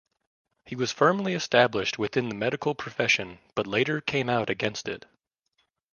He was firmly established within the medical profession but later came out against it.